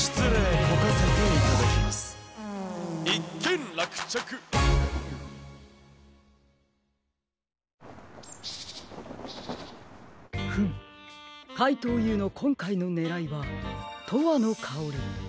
ん？フムかいとうＵのこんかいのねらいは「とわのかおり」ですか。